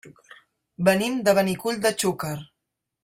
Venim de Benicull de Xúquer.